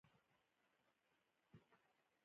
د غنمو درمند کول خوشحالي ده.